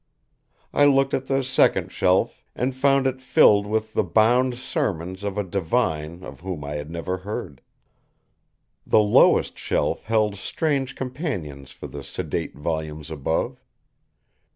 I looked at the second shelf and found it filled with the bound sermons of a divine of whom I had never heard. The lowest shelf held strange companions for the sedate volumes above.